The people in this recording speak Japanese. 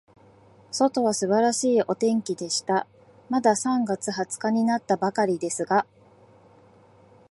外は素晴らしいお天気でした。まだ三月二十日になったばかりですが、